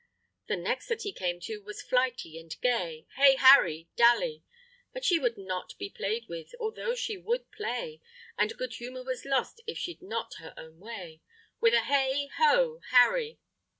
The next that he came to was flighty and gay, Hey, Harry Dally! But she would not be play'd with, although she would play, And good humour was lost if she'd not her own way, With a hey ho, Harry!